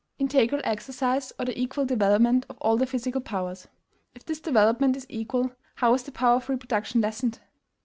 INTEGRAL EXERCISE, or the equal development of all the physical powers. If this development is equal, how is the power of reproduction lessened?